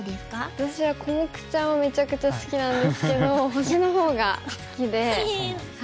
私はコモクちゃんはめちゃくちゃ好きなんですけど星のほうが好きで。